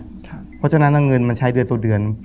เพราะฉะนั้นเงินมันใช้เดือนต่อเดือน